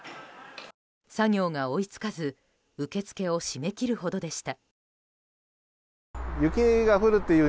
作業が追い付かず受け付けを締め切るほどでした。